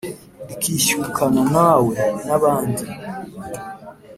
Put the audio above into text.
rikishyukana na we. nabandi